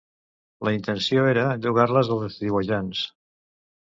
La intenció era llogar-les als estiuejants.